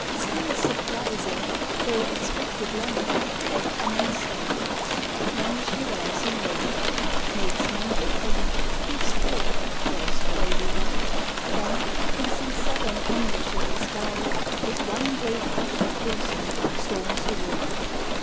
Still a surprisal, though expected long, Her coming startles. Long she lies in wait, Makes many a feint, peeps forth, draws coyly back, Then, from some southern ambush in the sky, With one great gush of blossom storms the world.